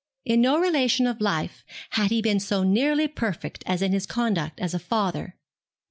In no relation of life had he been so nearly perfect as in his conduct as a father.